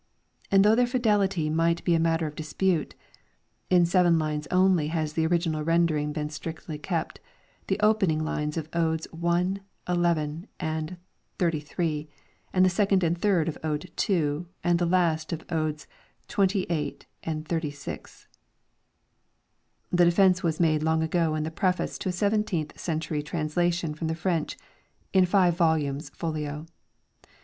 And though their fidelity might be matter of dispute (in seven lines only has the original rendering been strictly kept, the opening line of Odes i., xi. and xxxiii., the second and third of Ode ii., and the last of Odes xxviii. and xxxvi.), the defence was made long ago in the preface to a seventeenth century translation from the French, in five volumes folio.